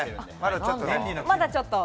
まだちょっと。